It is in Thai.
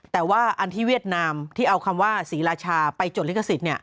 แต่ว่าอันที่เวียดนามที่เอาคำว่าศรีราชาไปจดลิขสิทธิ์